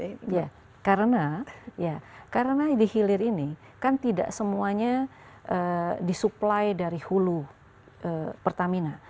iya karena di hilir ini kan tidak semuanya disupply dari hulu pertamina